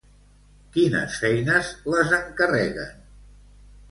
Quines feines les encarreguen?